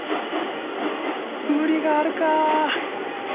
無理があるか？